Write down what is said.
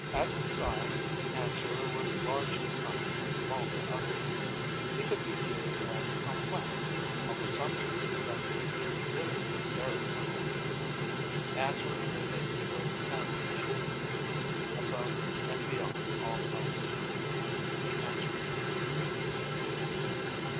As to size, Answerer was large to some and small to others. He could be viewed as complex, although some believed that he was really very simple. Answerer knew that he was as he should be. Above and beyond all else, he was The Answerer. He Knew.